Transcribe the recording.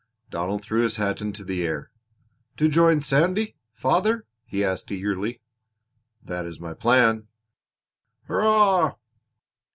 Donald threw his hat into the air. "To join Sandy, father?" he asked eagerly. "That is my plan." "Hurrah!"